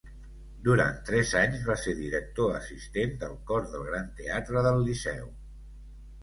Durant tres anys va ser director assistent del Cor del Gran Teatre del Liceu.